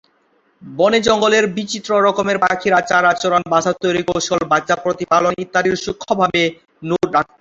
বনে জঙ্গলের বিচিত্র রকমের পাখির আচার আচরণ, বাসা তৈরির কৌশল, বাচ্চা প্রতিপালন ইত্যাদির সূক্ষ্মভাবে নোট রাখতেন।